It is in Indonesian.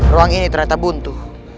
ruang ini ternyata buntu